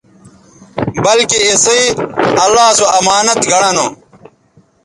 بلکہ اِسئ اللہ سو امانت گنڑہ نو